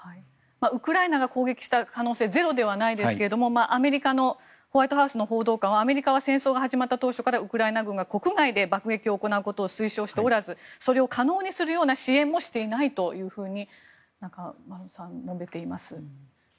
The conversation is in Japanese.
ウクライナが攻撃した可能性はゼロではないですがアメリカのホワイトハウスの報道官はアメリカは戦争が始まった当初からウクライナ軍が国外で爆撃を行うことを推奨しておらずそれを可能にするような支援もしていないと中室さん、述べています。